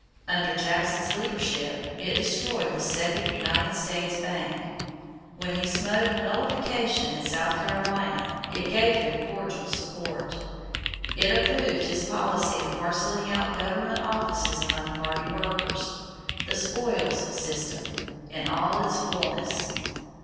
Under Jackson's leadership, it destroyed the second United States Bank. When he smote nullification in South Carolina, it gave him cordial support. It approved his policy of parceling out government offices among party workers "the spoils system" in all its fullness.